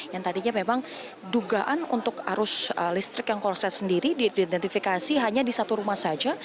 yang tadinya memang dugaan untuk arus listrik yang korset sendiri diidentifikasi hanya di satu rumah saja